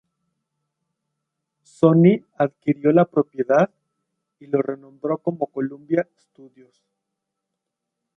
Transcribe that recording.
Sony adquirió la propiedad, y lo renombró como Columbia Studios.